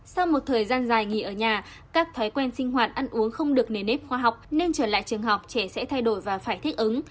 sau một thời gian dài nghỉ ở nhà các thói quen sinh hoạt ăn uống không được nề nếp khoa học nên trở lại trường học trẻ sẽ thay đổi và phải thích ứng